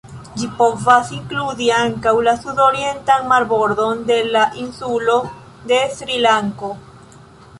Ĝi povas inkludi ankaŭ la sudorientan marbordon de la insulo de Srilanko.